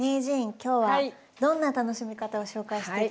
今日はどんな楽しみ方を紹介して頂けるんですか？